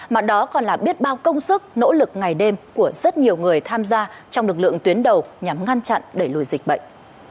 mà đó còn là biết bao công sức nỗ lực ngày đêm của rất nhiều người tham gia trong lực lượng tuyến đầu nhằm ngăn chặn đẩy lùi dịch bệnh